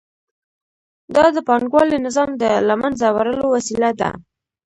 دا د پانګوالي نظام د له منځه وړلو وسیله ده